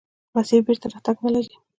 مسیر بېرته راتګ نلري.